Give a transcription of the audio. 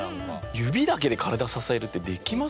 指だけで体支えるってできませんよ。